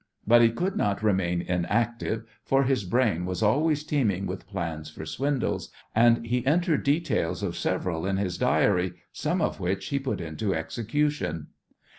But he could not remain inactive, for his brain was always teeming with plans for swindles, and he entered details of several in his diary, some of which he put into execution.